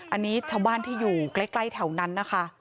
อันนี้ชาวบ้านที่อยู่ใกล้แถวนั้นนะคะ